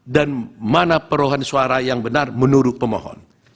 dan mana permohonan suara yang benar menurut pemohon